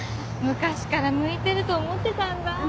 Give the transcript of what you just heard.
昔から向いてると思ってたんだ。